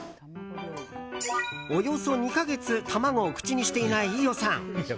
およそ２か月卵を口にしていない飯尾さん。